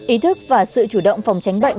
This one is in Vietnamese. ý thức và sự chủ động phòng tránh bệnh